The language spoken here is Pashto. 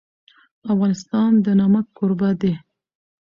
افغانستان د نمک کوربه دی.